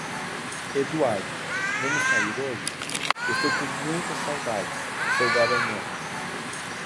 Eduardo, vamos sair hoje? Estou com muitas saudades seu garanhão.